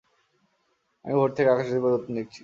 আমি ভোর থেকে আকাশের পরিবর্তন দেখছি।